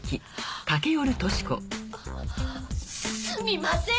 すみません！